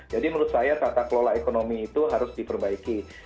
jadi menurut saya tata kelola ekonomi itu harus diperbaiki